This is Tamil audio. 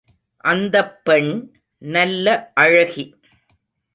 அந்தப் பெண் நல்ல அழகி.